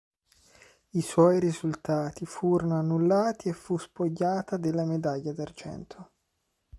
I suoi risultati furono annullati e fu spogliata della medaglia d'argento.